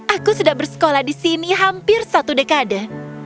aku sudah bersekolah di sini hampir satu dekade